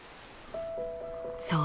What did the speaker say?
そう！